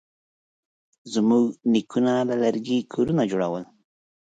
زموږ نیکونه له لرګي کورونه جوړول.